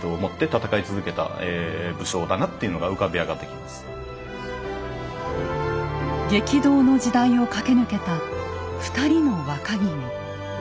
とにかくすごく激動の時代を駆け抜けた２人の若君。